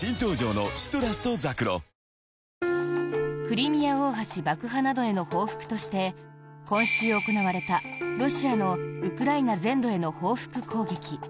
クリミア大橋爆破などへの報復として今週行われた、ロシアのウクライナ全土への報復攻撃。